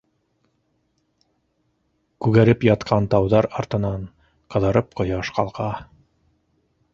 Күгәреп ятҡан тауҙар артынан ҡыҙарып ҡояш ҡалҡа.